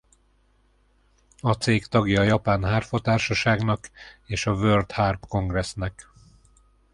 A cég tagja a Japán Hárfa Társaságnak és a World Harp Congressnek.